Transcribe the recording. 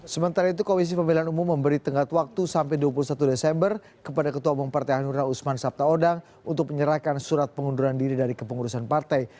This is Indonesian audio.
sementara itu komisi pemilihan umum memberi tenggat waktu sampai dua puluh satu desember kepada ketua umum partai hanura usman sabtaodang untuk menyerahkan surat pengunduran diri dari kepengurusan partai